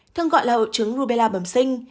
thường gọi là hội chứng rubella bầm sinh